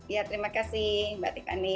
ya terima kasih mbak tiffany